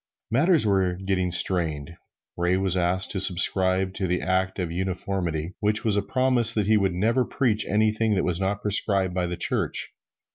Matters were getting strained. Ray was asked to subscribe to the Act of Uniformity, which was a promise that he would never preach anything that was not prescribed by the Church.